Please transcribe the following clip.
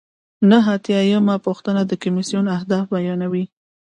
نهه اتیا یمه پوښتنه د کمیسیون اهداف بیانوي.